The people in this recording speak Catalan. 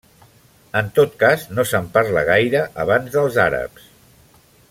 En tot cas, no se'n parla gaire abans dels àrabs.